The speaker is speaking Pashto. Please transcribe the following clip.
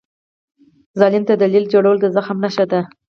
ظالم ته دلیل جوړول د زخم نښه ده.